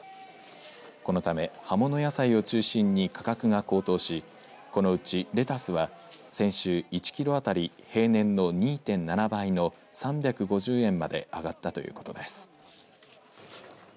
このため、葉物野菜を中心に価格が高騰しこのうち、レタスは先週１キロあたり平年の２．７倍の３５０円まで上がったということです。